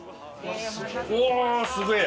うわすげえ！